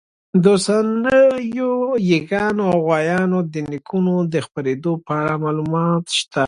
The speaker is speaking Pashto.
د اوسنیو ییږانو او غویانو د نیکونو د خپرېدو په اړه معلومات شته.